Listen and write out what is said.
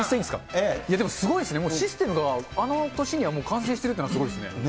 すごいですね、もうシステムがあの年にはもう完成しているというのがすごいですね。